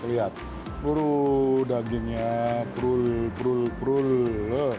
lihat puru dagingnya purul purul